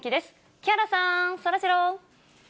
木原さん、そらジロー。